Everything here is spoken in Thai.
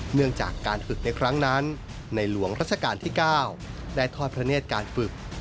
เนื่องจากการฝึกในครั้งนั้นในหลวงรัชกาลที่๙ได้ทอดพระเนธการฝึก